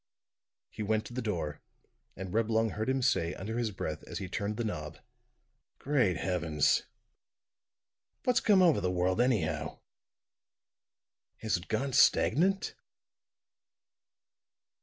He went to the door, and Reblong heard him say, under his breath, as he turned the knob: "Great Heavens! What's come over the world anyhow? Has it gone stagnant?"